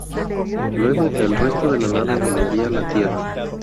Luego, el resto de la nave volvería a la Tierra.